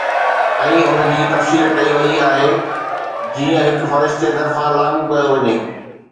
۽ ان جي تفسير ڪئي وئي آهي جيئن هڪ فرشتي طرفان لاڳو ڪيو وڃي